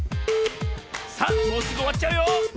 さあもうすぐおわっちゃうよ！